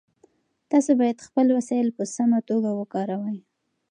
تاسو باید خپل وسایل په سمه توګه وکاروئ.